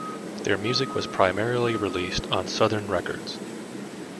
Their music was primarily released on Southern Records.